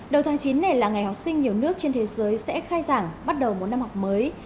đầu tháng chín này là ngày học sinh nhiều nước trên thế giới sẽ khai giảng bắt đầu một năm học mới